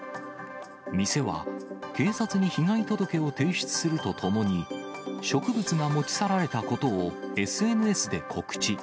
店は警察に被害届を提出するとともに、植物が持ち去られたことをＳＮＳで告知。